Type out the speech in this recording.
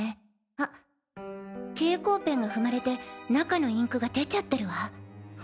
あっ蛍光ペンが踏まれて中のインクが出ちゃってるわ。